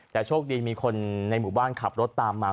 แต่โชคดีมีคนในหมู่บ้านขับรถตามมา